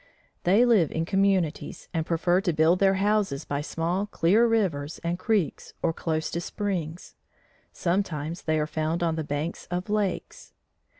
They live in communities and prefer to build their houses by small clear rivers and creeks or close to springs. Sometimes they are found on the banks of lakes.